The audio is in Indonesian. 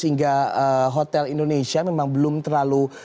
dan hotel indonesia memang belum terlalu